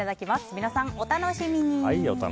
皆さん、お楽しみに！